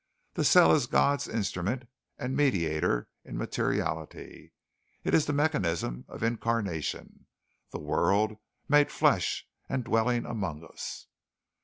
The cell is God's instrument and mediator in materiality; it is the mechanism of incarnation, the word made flesh and dwelling among us."